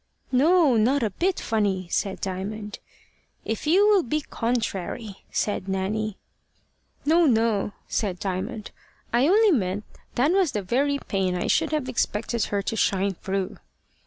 "No, not a bit funny," said Diamond. "If you will be contrary!" said Nanny. "No, no," said Diamond; "I only meant that was the very pane I should have expected her to shine through."